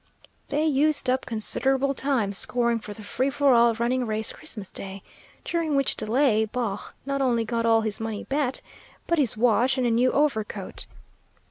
They used up considerable time scoring for the free for all running race Christmas Day, during which delay Baugh not only got all his money bet, but his watch and a new overcoat.